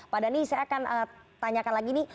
pak dhani saya akan tanyakan lagi nih